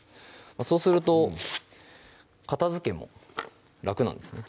そうすると片づけも楽なんですね